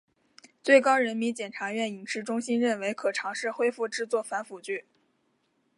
最高人民检察院影视中心认为可尝试恢复制作反腐剧。